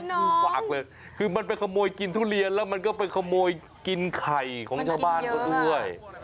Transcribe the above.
คือมันไปขโมยกินทุเรียนมันไปขโมยกินทุเรียนแล้วมันก็ไปขโมยกินไข่ของชาวบ้านก็ด้วย